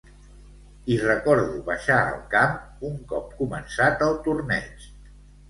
I recordo baixar al camp un cop començat el torneig.